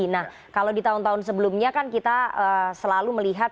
nah kalau di tahun tahun sebelumnya kan kita selalu melihat